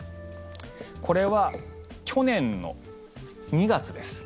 これは去年の２月です。